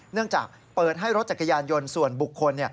เนื่องจากเปิดให้รถจักรยานยนต์ส่วนบุคคล